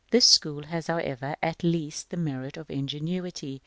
This school has, however, at least the merit of ingenuity.